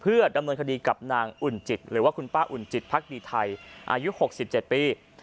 เพื่อดำนวนคดีกับนางหรือว่าคุณป้าอุ่นจิฐผลักดีไทยอายุ๖๗ปี